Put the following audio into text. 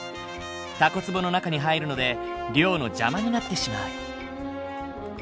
タコつぼの中に入るので漁の邪魔になってしまう。